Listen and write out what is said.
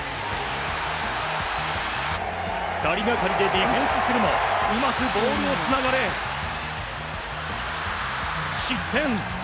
２人がかりでディフェンスするもうまくボールをつながれ、失点。